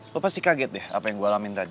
lo pasti kaget deh apa yang gue alamin tadi